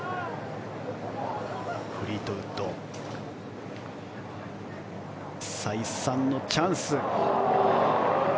フリートウッド再三のチャンス。